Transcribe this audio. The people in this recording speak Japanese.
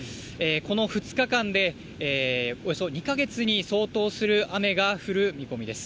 この２日間で、およそ２か月に相当する雨が降る見込みです。